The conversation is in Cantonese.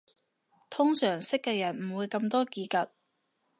通常識嘅人唔會咁多嘰趷